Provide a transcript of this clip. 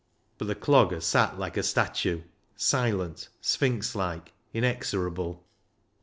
" But the Clogger sat like a statue — silent, sphinx like, inexorable.